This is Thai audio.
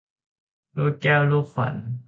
ลูกแก้วลูกขวัญ